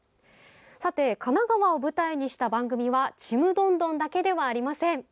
さて神奈川を舞台にした番組は「ちむどんどん」だけではありません。